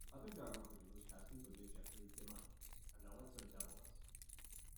Other Darabont regulars cast included Jeffrey DeMunn and Alexa Davalos.